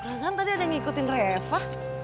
rosan tadi ada yang ngikutin reva